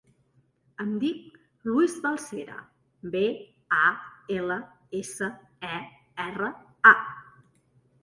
Em dic Luis Balsera: be, a, ela, essa, e, erra, a.